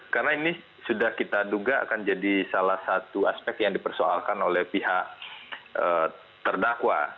karena ini sudah kita duga akan jadi salah satu aspek yang dipersoalkan oleh pihak terdakwa